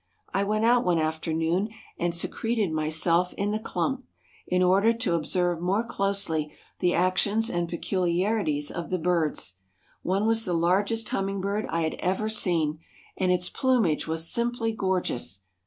I went out one afternoon and secreted myself in the clump, in order to observe more closely the actions and peculiarities of the birds. One was the largest hummingbird I had ever seen, and its plumage was simply gorgeous.